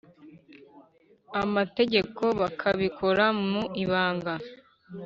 amategeko bakabikora mu ibanga